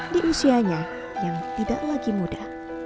di usianya yang tidak lagi muda